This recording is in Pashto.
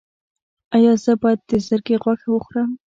ایا زه باید د زرکې غوښه وخورم؟